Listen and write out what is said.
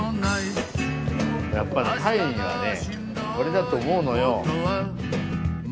やっぱりタイにはねこれだと思うのよ。